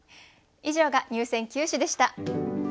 以上が入選九首でした。